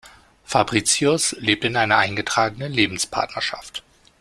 Fabritius lebt in einer eingetragenen Lebenspartnerschaft.